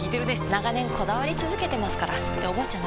長年こだわり続けてますからっておばあちゃん